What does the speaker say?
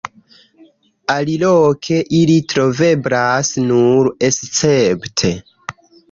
Aliloke ili troveblas nur escepte.